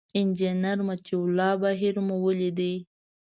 انجینر مطیع الله بهیر مو ولید.